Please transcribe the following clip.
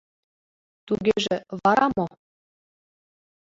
Тугеже вара мо?